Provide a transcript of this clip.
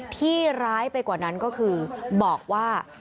ที่ร้ายไปกว่านั้นก็คือบอกว่า